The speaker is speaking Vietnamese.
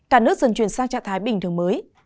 cả nước dần chuyển sang trạng thái bình thường mới